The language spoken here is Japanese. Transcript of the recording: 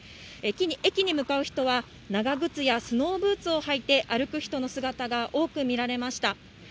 駅に向かう人は長靴やスノーブーツを履いて歩く人の姿が多く見られました。